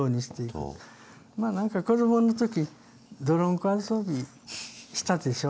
まあ何か子供の時泥んこ遊びしたでしょ？